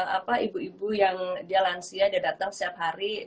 apa ibu ibu yang dia lansia dia datang setiap hari